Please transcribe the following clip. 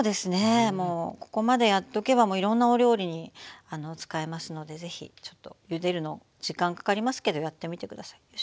もうここまでやっとけばいろんなお料理に使えますので是非ちょっとゆでるの時間かかりますけどやってみて下さい。